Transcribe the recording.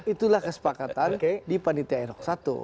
itulah kesepakatan di panitia eroksatu